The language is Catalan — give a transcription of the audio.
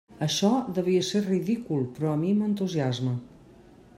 Això devia ser ridícul, però a mi m'entusiasma.